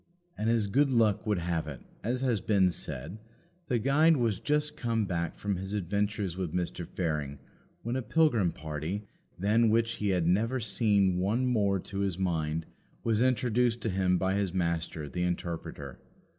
And, as good luck would have it, as has been said, the guide was just come back from his adventures with Mr. Fearing when a pilgrim party, than which he had never seen one more to his mind, was introduced to him by his Master, the Interpreter.